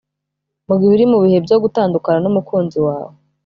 Mu gihe uri mu bihe byo gutandukana n’umukunzi wawe